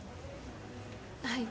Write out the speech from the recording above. はい。